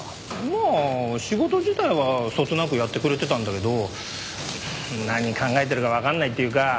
まあ仕事自体はそつなくやってくれてたんだけど何考えてるかわかんないっていうか。